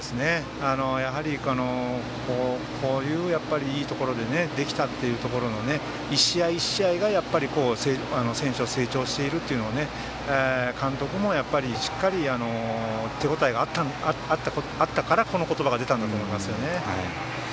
やはりこういういいところでできたというところの１試合１試合で選手が成長しているというのを監督もしっかり手応えがあったからこの言葉が出たんだと思いますね。